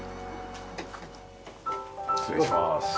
失礼します。